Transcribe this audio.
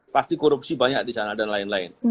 pasti korupsi banyak di sana dan lain lain